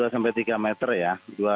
dua sampai tiga meter ya